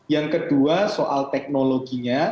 yang kedua soal teknologinya